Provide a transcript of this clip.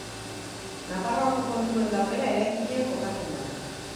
Nafarroako Kontuen Ganbera eraikinean kokatzen da.